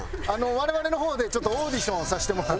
我々の方でちょっとオーディションさせてもらって。